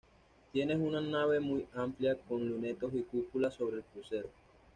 Tiene una nave muy amplia con lunetos y cúpula sobre el crucero.